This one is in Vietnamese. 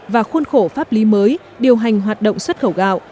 và khuôn khổ pháp lý mới điều hành hoạt động xuất khẩu gạo